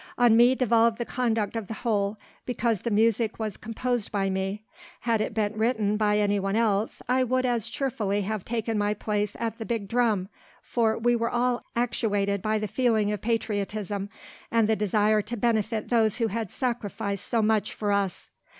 On me devolved the conduct of the whole, because the music was composed by me. Had it been written by any one else, I would as cheerfully have taken my place at the big drum, for we were all actuated by the feeling of patriotism and the desire to benefit those who had sacrificed so much for us."